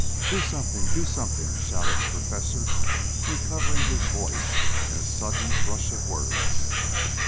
"Do something! Do something!" shouted the Professor, recovering his voice in a sudden rush of words.